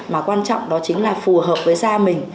mà quan trọng đó chính là phù hợp với gia mình